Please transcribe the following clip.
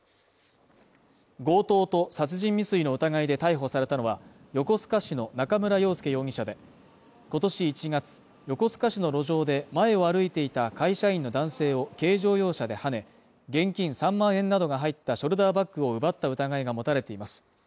強盗と殺人未遂の疑いで逮捕されたのは、横須賀市の中村鷹哉容疑者で、今年１月、横須賀市の路上で、前を歩いていた会社員の男性を軽乗用車ではね、現金３万円などが入ったショルダーバッグを奪った疑いが持たれています。